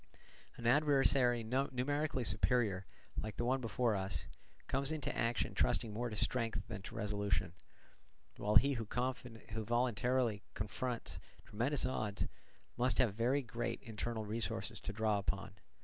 An adversary numerically superior, like the one before us, comes into action trusting more to strength than to resolution; while he who voluntarily confronts tremendous odds must have very great internal resources to draw upon.